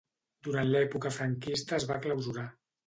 Durant l'època franquista es va clausurar.